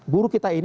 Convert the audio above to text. buruh kita ini